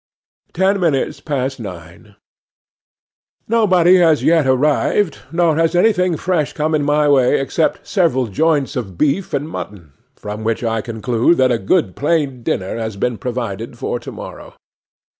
'Ten minutes past nine. 'NOBODY has yet arrived, nor has anything fresh come in my way except several joints of beef and mutton, from which I conclude that a good plain dinner has been provided for to morrow.